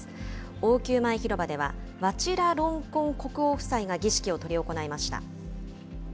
王宮前広場では、ワチラロンコン国王夫妻が儀式を執り行いました。